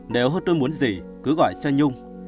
nếu tôi muốn gì cứ gọi cho nhung